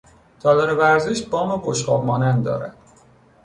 تالار ورزش بام بشقاب مانند دارد.